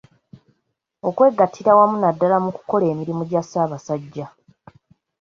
Okwegattira awamu naddala mu kukola emirimu gya Ssabasajja.